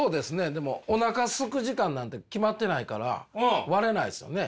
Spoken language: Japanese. でもおなかすく時間なんて決まってないから割れないっすよね。